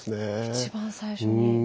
一番最初に。